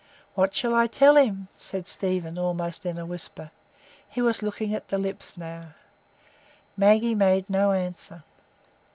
"What shall I tell him?" said Stephen, almost in a whisper. He was looking at the lips now. Maggie made no answer.